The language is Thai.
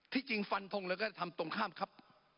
ที่จริงฟันทงแล้วก็ทำตรงข้ามครับ